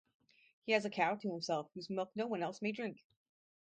He has a cow to himself whose milk no one else may drink.